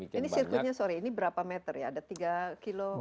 ini sirkuitnya sorry ini berapa meter ya ada tiga km